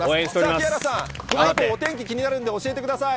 木原さん、お天気気になるんで、教えてください。